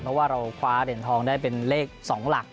เพราะว่าเราคว้าเหรียญทองได้เป็นเลข๒หลัก